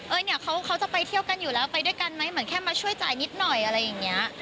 เนี่ยเขาจะไปเที่ยวกันอยู่แล้วไปด้วยกันไหมเหมือนแค่มาช่วยจ่ายนิดหน่อยอะไรอย่างเงี้ย